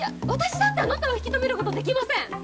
私だってあなたを引き止めることできません！